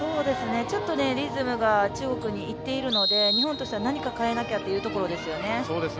ちょっとリズムが中国にいっているので、日本としては何か変えなきゃというところですよね。